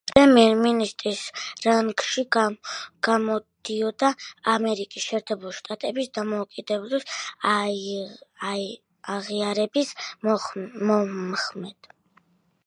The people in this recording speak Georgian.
პრემიერ-მინისტრის რანგში გამოდიოდა ამერიკის შეერთებული შტატების დამოუკიდებლობის აღიარების მომხრედ.